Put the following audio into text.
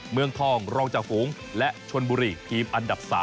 เมืองทองรองจากฝูงและชนบุรีทีมอันดับ๓